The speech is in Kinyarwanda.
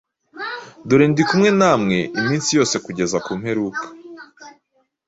Dore ndi kumwe na mwe iminsi yose kugeza ku mperuka,